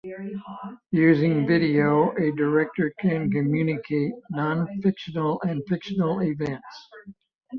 Using video, a director can communicate non-fictional and fictional events.